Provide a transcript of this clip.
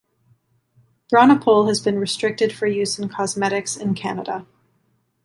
Bronopol has been restricted for use in cosmetics in Canada.